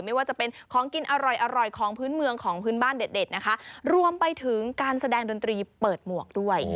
ไม่ว่าจะเป็นของกินอร่อยอร่อยของพื้นเมืองของพื้นบ้านเด็ดนะคะรวมไปถึงการแสดงดนตรีเปิดหมวกด้วย